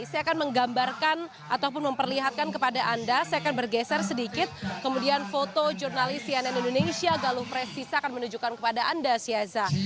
saya akan menggambarkan ataupun memperlihatkan kepada anda saya akan bergeser sedikit kemudian foto jurnalis cnn indonesia galuh presisa akan menunjukkan kepada anda siaza